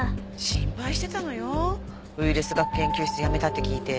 心配してたのよウイルス学研究室辞めたって聞いて。